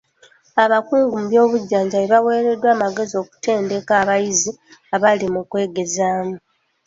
Abakugu mu by'obujjanjabi baweereddwa amagezi okutendeka abayizi abali mu kwegezaamu.